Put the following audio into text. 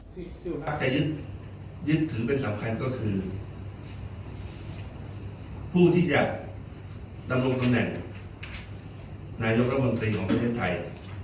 ที่พักจะยึดยึดถือเป็นสำคัญก็คือผู้ที่จะดำรงตำแหน่งนายกรัฐมนตรีของประเทศไทย